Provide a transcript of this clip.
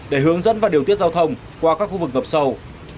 để hướng dẫn và điều tiết giao thông qua các khu vực ngập sâu